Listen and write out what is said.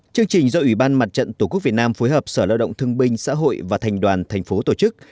chương trình do ủy ban mặt trận tổ quốc việt nam phối hợp sở lao động thương binh xã hội và thành đoàn thành phố tổ chức